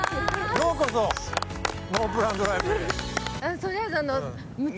ようこそ『ノープラン×ドライブ』へ。